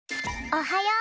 おはよう！